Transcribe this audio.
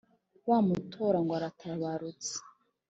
wa mutora ngo aratabarutse.